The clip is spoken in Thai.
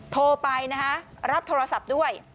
โทรไปนะฮะรับโทรศัพท์ด้วย